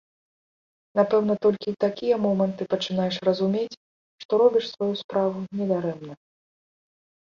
Напэўна, толькі ў такія моманты пачынаеш разумець, што робіш сваю справу не дарэмна.